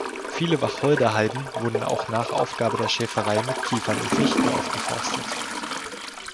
Viele Wacholderheiden wurden auch nach Aufgabe der Schäferei mit Kiefern und Fichten aufgeforstet.